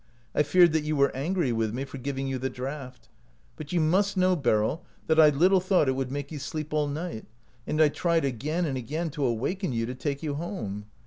I feared that you were angry with me for giving you the draught. But you must know, Beryl, that I little thought it would make you sleep all night; and I tried again and again to awaken you to take you home.